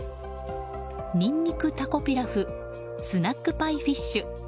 にんにくたこピラフスナックパイフィッシュ